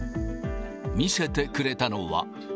見せてくれたのは。